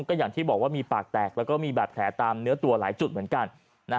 ก็อย่างที่บอกว่ามีปากแตกแล้วก็มีบาดแผลตามเนื้อตัวหลายจุดเหมือนกัน